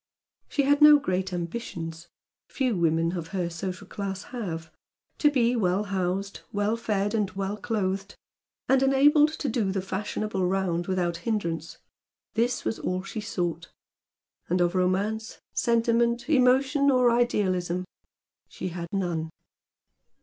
She had no great ambitions; few women of her social class have. To be well housed, well fed and well clothed, and enabled to do the fashionable round without hindrance this was all she sought, and of romance, sentiment, emotion or idealism she had none.